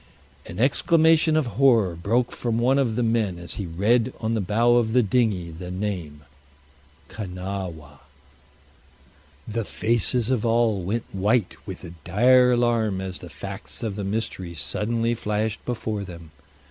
An exclamation of horror broke from one of the men as he read on the bow of the dinghy the name, Kanawha. The faces of all went white with a dire alarm as the facts of the mystery suddenly flashed before them.